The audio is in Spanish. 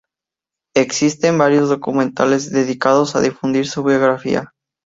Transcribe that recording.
Existen varios documentales dedicados a difundir su biografía.